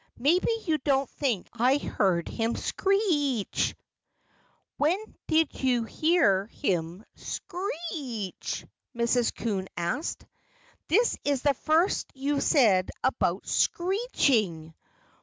"Maybe you don't think I heard him screech " "When did you hear him screech?" Mrs. Coon asked. "This is the first you've said about SCREECHING.